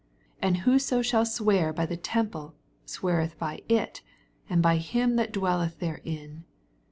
21 And whoso shall swear by the temple, sweareth by it, and by him that dwelleth therein.